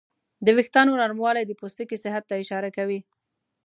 د وېښتیانو نرموالی د پوستکي صحت ته اشاره کوي.